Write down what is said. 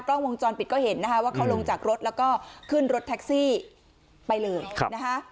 กล้องวงจรปิดก็เห็นนะคะว่าเขาลงจากรถแล้วก็ขึ้นรถแท็กซี่ไปเลยนะคะ